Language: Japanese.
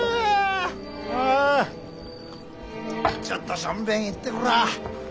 ちょっとしょんべん行ってくらあ。